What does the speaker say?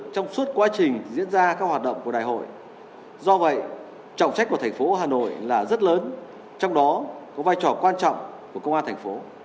trong đó có vai trò quan trọng của công an thành phố